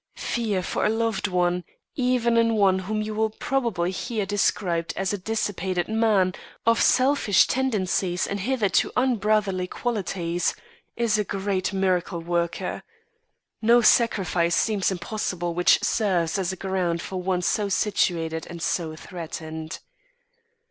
"Fear for a loved one, even in one whom you will probably hear described as a dissipated man, of selfish tendencies and hitherto unbrotherly qualities, is a great miracle worker. No sacrifice seems impossible which serves as a guard for one so situated and so threatened.